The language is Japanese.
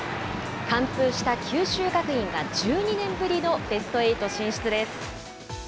完封した九州学院が１２年ぶりのベストエイト進出です。